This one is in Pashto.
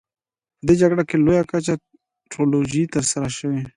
په دې جګړه کې په لویه کچه ټولوژنې ترسره شوې.